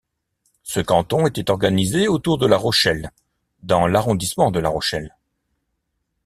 Ce canton était organisé autour de La Rochelle dans l'arrondissement de La Rochelle.